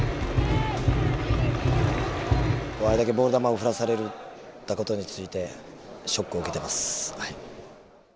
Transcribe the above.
あれだけボール球を振らされたことについてショックを受けてますはい。